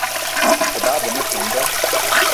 Te bagbe ma soo an da